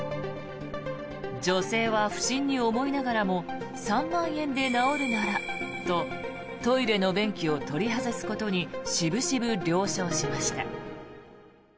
女性は不審に思いながらも３万円で直るならとトイレの便器を取り外すことに渋々、了承しました。